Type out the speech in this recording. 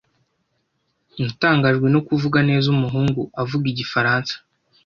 Natangajwe no kuvuga neza umuhungu avuga igifaransa